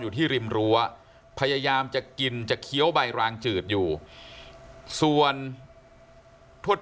ริมรั้วพยายามจะกินจะเคี้ยวใบรางจืดอยู่ส่วนทวด